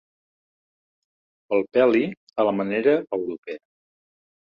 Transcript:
El peli a la manera europea.